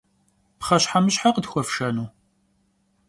Pxheşhemışheş'e khıtxuefşşenu?